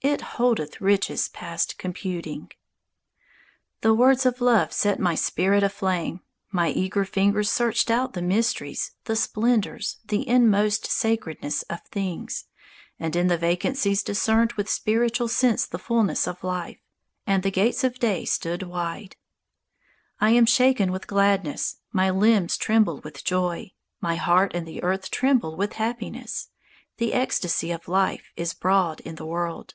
It holdeth Riches past computing." The words of Love set my spirit aflame. My eager fingers searched out the mysteries, The splendours, the inmost sacredness, of things, And in the vacancies discerned With spiritual sense the fullness of life; And the gates of Day stood wide. I am shaken with gladness; My limbs tremble with joy; My heart and the earth Tremble with happiness; The ecstasy of life Is abroad in the world.